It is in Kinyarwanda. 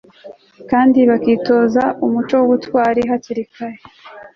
kandi bakitoza umuco w'ubutwari hakiri kare